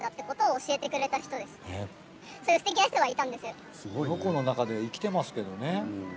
この子の中で生きてますけどね。